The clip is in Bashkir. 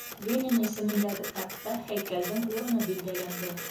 Ленин исемендәге паркта һәйкәлдең урыны билдәләнде.